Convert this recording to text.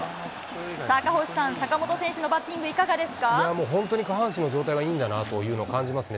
さあ、赤星さん、坂本選手のバッいや、本当に下半身の状態がいいんだなというのを感じますね。